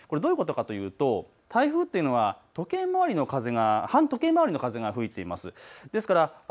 これどういうことかというと台風というのは反時計回りの風が吹いています。